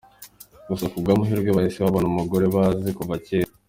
Gusa kubw'amahirwe bahise babona umugore bazi kuva cyera.